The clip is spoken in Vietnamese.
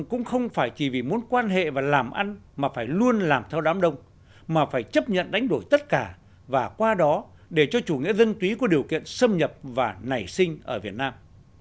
cũng không phải chỉ vì muốn quan hệ và làm ăn mà phải luôn làm theo đám đông mà phải chấp nhận đánh đổi tất cả và qua đó để cho chủ nghĩa dân túy có điều kiện xâm nhập và nảy sinh ở việt nam